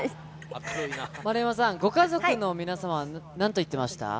丸山さん、ご家族の皆様はなんと言ってました？